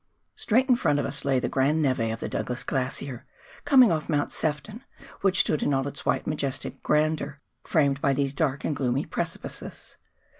Straight in front of us lay the grand neve of the Douglas Glacier, coming off Mount Sefton, which stood in all its white majestic grandeur, framed by these dark and gloomy precipices.